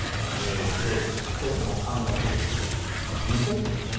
白い線とその間隔２セットですね。